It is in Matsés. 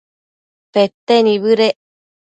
pete nibëdec